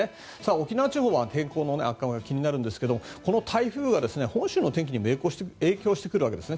沖縄地方は天候の悪化も気になるんですがこの台風が本州の天気にも影響してくるわけです。